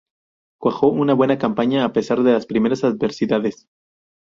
Cuajó una buena campaña a pesar de las primeras adversidades.